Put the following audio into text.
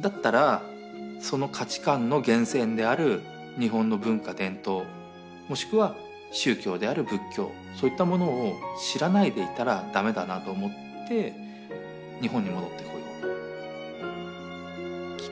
だったらその価値観の源泉である日本の文化伝統もしくは宗教である仏教そういったものを知らないでいたらダメだなと思って日本に戻ってこようと。